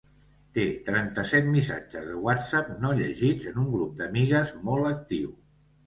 Té trenta-set missatges de whatsapp no llegits en un grup d'amigues molt actiu.